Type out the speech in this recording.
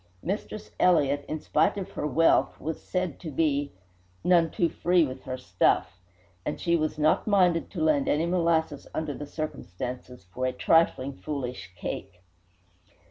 Mistress Elliott, in spite of her wealth, was said to be "none too free with her stuff," and she was not minded to lend any molasses under the circumstances, for "a trifling foolish" cake.